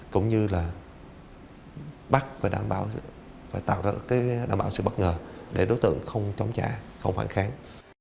cũng như là bắc phải đảm bảo sự bất ngờ để đối tượng không trống trả không phản kháng